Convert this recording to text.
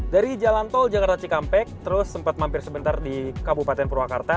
dari jalan tol jakarta cikampek terus sempat mampir sebentar di kabupaten purwakarta